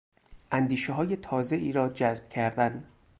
اندیشههای تازهای را جذب کردن